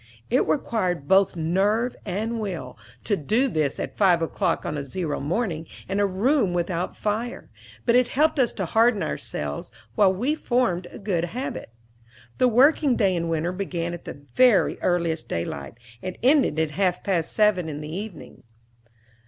It required both nerve and will to do this at five o'clock on a zero morning, in a room without a fire; but it helped us to harden ourselves, while we formed a good habit. The working day in winter began at the very earliest daylight, and ended at half past seven in the evening.